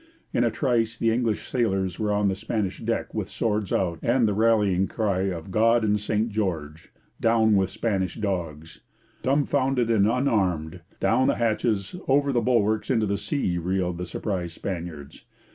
In a trice the English sailors were on the Spanish deck with swords out and the rallying cry of 'God and St George! Down with Spanish dogs!' Dumbfounded and unarmed, down the hatches, over the bulwarks into the sea, reeled the surprised Spaniards.